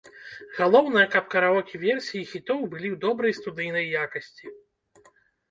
Галоўнае, каб караоке-версіі хітоў былі ў добрай студыйнай якасці.